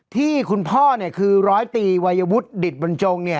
ที่คุณพ่อคือร้อยตีวัยยวุฒิดิตบันจงเนี่ย